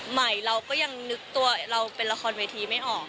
ใหม่เราก็ยังนึกตัวเราเป็นละครเวทีไม่ออก